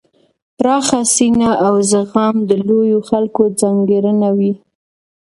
پراخه سینه او زغم د لویو خلکو ځانګړنه وي.